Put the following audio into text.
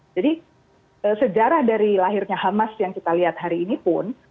jadi sejarah dari lahirnya hamas yang kita lihat hari ini pun